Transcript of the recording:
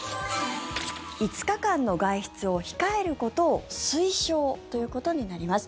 ５日間の外出を控えることを推奨ということになります。